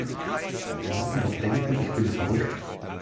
Die müssen doch denken ich bin verrückt.